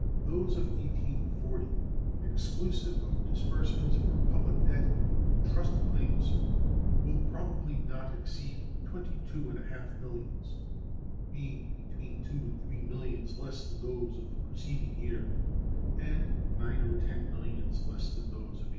Those of 1840, exclusive of disbursements for public debt and trust claims, will probably not exceed twenty two and a half millions, being between two and three millions less than those of the preceding year and nine or ten millions less than those of 1837.